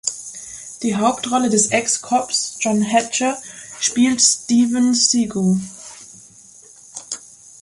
Die Hauptrolle des Ex-Cops "John Hatcher" spielt Steven Seagal.